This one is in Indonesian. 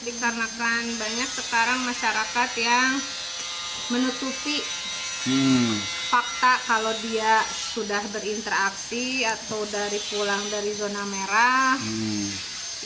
dikarenakan banyak sekarang masyarakat yang menutupi fakta kalau dia sudah berinteraksi atau dari pulang dari zona merah